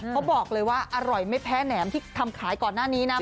เขาบอกเลยว่าอร่อยไม่แพ้แหนมที่ทำขายก่อนหน้านี้นะ